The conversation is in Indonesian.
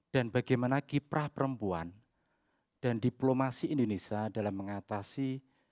dan bagaimana kiprah perempuan dan diplomasi indonesia dalam mengatasi